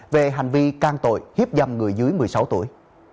về hành vi can tội hiếp dâm người dưới một mươi sáu tuổi